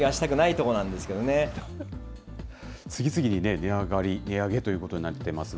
値上がり、値上げということになってますが。